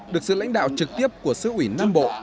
được sự lãnh đạo trực tiếp của sứ ủy nam bộ